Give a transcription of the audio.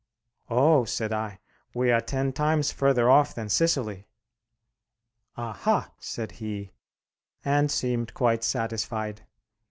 "Oh," said I, "we are ten times further off than Sicily." "Aha!" said he; and seemed quite satisfied.